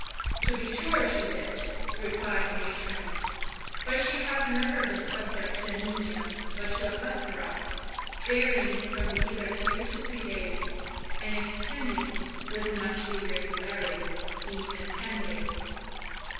"To be sure she did," replied the matron; "but she has never been subject to anaemia, but to a plethora, varying from either two to three days, and extending, with much irregularity, to even ten days."